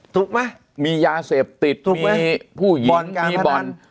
ถูกไหมมียาเสพติดมีผู้หญิงมีบ่อน